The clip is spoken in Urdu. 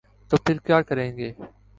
تو پھر کیا کریں گے؟